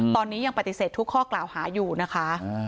ตอนนี้ยังปฏิเสธทุกข้อกล่าวหาอยู่นะคะ